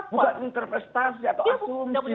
bukan interpretasi atau asumsi